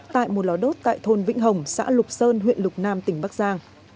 tại một lò đốt tại thôn vĩnh hồng xã lục sơn huyện lục nam tỉnh bắc giang